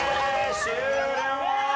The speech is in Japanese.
終了！